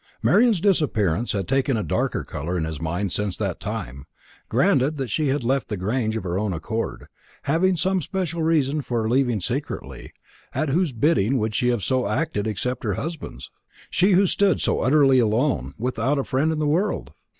Marian's disappearance had taken a darker colour in his mind since that time. Granted that she had left the Grange of her own accord, having some special reason for leaving secretly, at whose bidding would she have so acted except her husband's she who stood so utterly alone, without a friend in the world?